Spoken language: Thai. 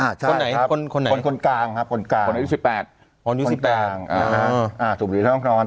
คนไหนคนกลางครับคนที่๑๘สูบหลือทั้งความความความความ